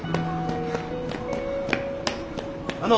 あの！